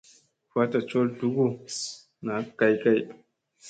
Fatta col dugu na kay kay.